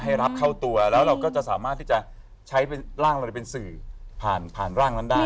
รับเข้าตัวแล้วเราก็จะสามารถที่จะใช้เป็นร่างเราจะเป็นสื่อผ่านผ่านร่างนั้นได้